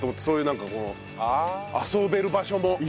そういうなんかこう遊べる場所も。